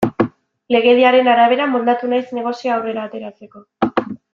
Legediaren arabera moldatu naiz negozioa aurrera ateratzeko.